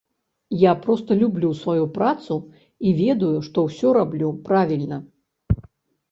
Я проста люблю сваю працу і ведаю, што ўсё раблю правільна.